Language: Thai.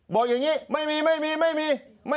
บอกอย่างนี้ไม่มี